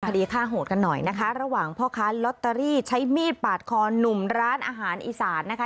คดีฆ่าโหดกันหน่อยนะคะระหว่างพ่อค้าลอตเตอรี่ใช้มีดปาดคอหนุ่มร้านอาหารอีสานนะคะ